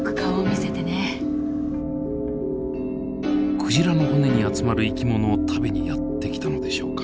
クジラの骨に集まる生き物を食べにやって来たのでしょうか。